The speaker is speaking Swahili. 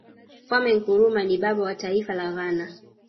kwame nkrumah ni baba wa taifa la ghana